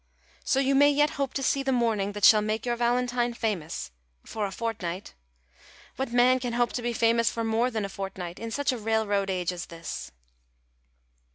So you may yet hope to see the morning that shall make your Valentine famous for a fortnight. What man can hope to be famous for more than a fortnight in such a railroad age as this?"